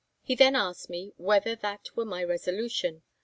He then asked me, whether that were my resolution?